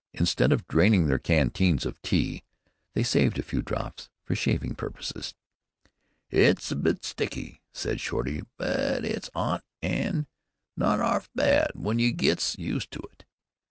Instead of draining their canteens of tea, they saved a few drops for shaving purposes. "It's a bit sticky," said Shorty, "but it's 'ot, an' not 'arf bad w'en you gets used to it.